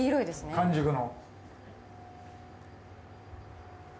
完熟の。